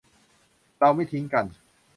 เราไม่ทิ้งกัน